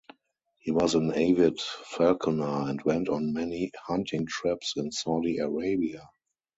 He was an avid falconer and went on many hunting trips in Saudi Arabia.